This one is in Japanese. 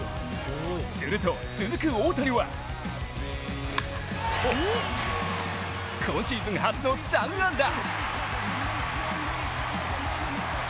すると、続く大谷は今シーズン初の３安打。